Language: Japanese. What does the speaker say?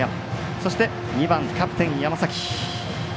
そして、２番キャプテン、山崎。